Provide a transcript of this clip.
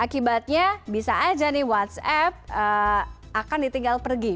akibatnya bisa aja nih whatsapp akan ditinggal pergi